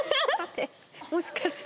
もしかして。